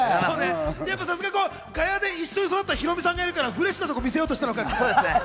やっぱさすが、ガヤで一緒に育ったヒロミさんがいるからフレッシュなところを見せようとしたのか。